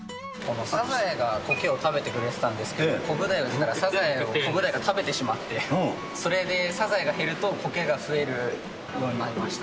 サザエがこけを食べてくれてたんですけど、コブダイがサザエを食べてしまって、それでサザエが減ると、こけが増えるようになりました。